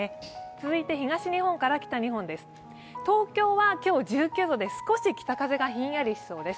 続いて、東日本から北日本です。